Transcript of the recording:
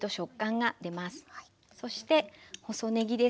そして細ねぎですね。